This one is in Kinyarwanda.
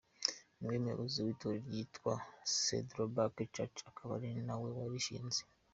Niwe muyobozi w’Itorero ryitwa Saddleback Church, akaba ari na we warishinze.